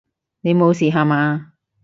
你無事吓嘛！